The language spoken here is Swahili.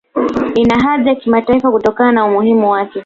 Ina hadhi ya Kimataifa kutokana na umuhimu wake